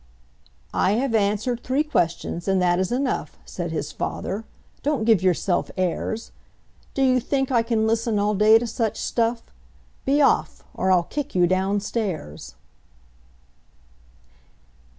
"I have answered three questions, and that is enough," Said his father. "Don't give yourself airs! Do you think I can listen all day to such stuff? Be off, or I'll kick you down stairs.